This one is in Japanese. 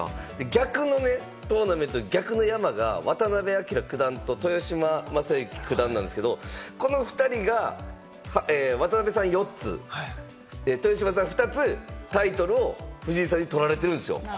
逆のね、トーナメント逆の山が渡辺明九段と豊島将之九段なんですが、渡辺さん４つ、豊島さん２つタイトルを藤井さんに取られてるんですよ。